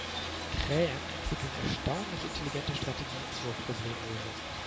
Krähen entwickeln erstaunlich intelligente Strategien zur Problemlösung.